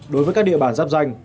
đối với các địa bản giáp danh